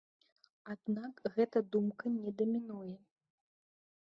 Аднак гэта думка не дамінуе.